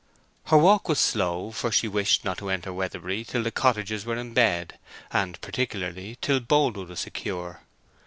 Her walk was slow, for she wished not to enter Weatherbury till the cottagers were in bed, and, particularly, till Boldwood was secure.